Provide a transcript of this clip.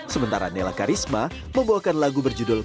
sementara nela karisma membawakan lagu berjudul